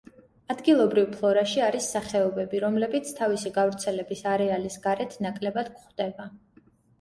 ადგილობრივ ფლორაში არის სახეობები, რომლებიც თავისი გავრცელების არეალის გარეთ ნაკლებად გვხვდება.